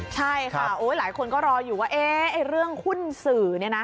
ใช่ค่ะอุ้ยหลายคนก็รออยู่ไว้เรื่องหุ้นสื่อเนี่ยนะ